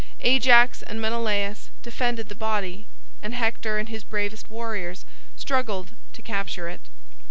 Ajax and Menelaus defended the body, and Hector and his bravest warriors struggled to capture it.